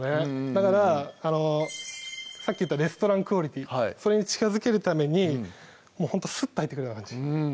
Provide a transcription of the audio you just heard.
だからさっき言ったレストランクオリティそれに近づけるためにほんとすっと入ってくるような感じ